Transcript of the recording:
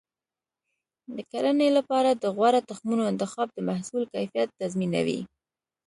د کرنې لپاره د غوره تخمونو انتخاب د محصول کیفیت تضمینوي.